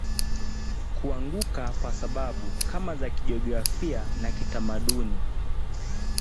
huanguka kwa sababu kama za kijiografia na kitamaduni